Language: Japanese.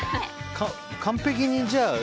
完璧に、じゃあ。